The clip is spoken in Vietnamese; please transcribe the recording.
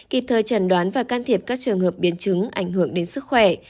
kịp thời trần đoán và can thiệp các trường hợp biến chứng ảnh hưởng đến sức khỏe